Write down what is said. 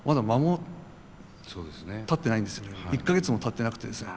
１か月もたってなくてですね